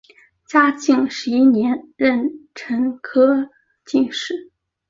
嘉靖十一年壬辰科进士。